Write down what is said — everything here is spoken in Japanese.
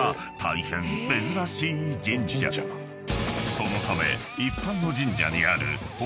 ［そのため］